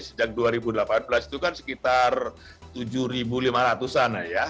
sejak dua ribu delapan belas itu kan sekitar tujuh lima ratus an ya